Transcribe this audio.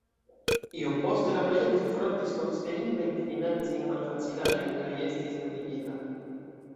Iom poste la projekto frontis konsiderindajn financajn malfacilaĵojn kaj estis nuligita.